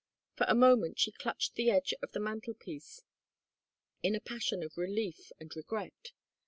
For a moment she clutched the edge of the mantel piece in a passion of relief and regret.